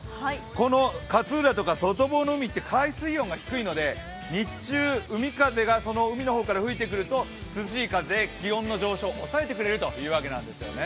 この勝浦とか外房の海って海水温が低いので日中、海風が海の方から吹いてくると涼しい風で、気温の上昇を抑えてくれるということなんです。